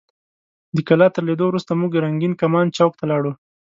د کلا تر لیدو وروسته موږ رنګین کمان چوک ته لاړو.